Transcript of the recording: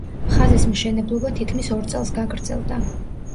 ხაზის მშენებლობა თითქმის ორ წელს გაგრძელდა.